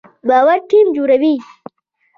باور ټیم جوړوي